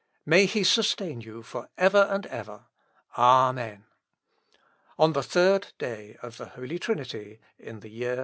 May he sustain you for ever and ever. Amen. "On the day of the Holy Trinity, in the year 1518.